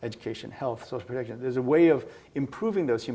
diperlindungi dengan cara yang benar